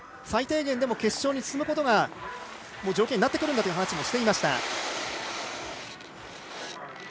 最低限でも決勝に進むことが条件になるという話もしていました。